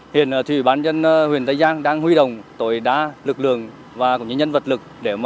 hiện thì ủy ban nhân huyền tây giang đang huy động tội đa lực lượng và những nhân vật lực